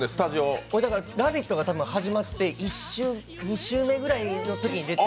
「ラヴィット！」が始まって２週目ぐらいのときに出て。